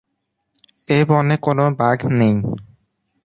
এ বনে কোন বাঘ নেই।